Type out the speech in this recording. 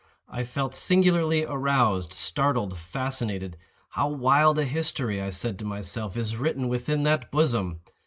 I felt singularly aroused, startled, fascinated. "How wild a history," I said to myself, "is written within that bosom!"